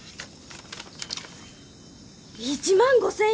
１万５，０００円！